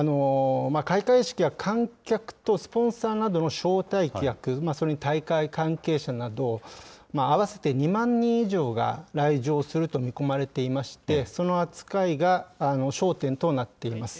開会式は、観客とスポンサーなどの招待客、それに大会関係者など、合わせて２万人以上が来場すると見込まれていまして、その扱いが焦点となっています。